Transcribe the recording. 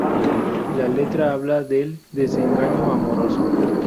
La letra habla del desengaño amoroso.